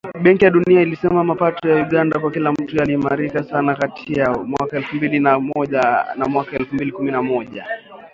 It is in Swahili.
Benki ya Dunia ilisema mapato ya Uganda kwa kila mtu yaliimarika sana kati ya mwaka elfu mbili na moja na mwaka elfu mbili kumi na moja